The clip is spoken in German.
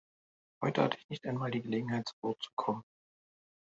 Heute hatte ich nicht einmal die Gelegenheit, zu Wort zu kommen.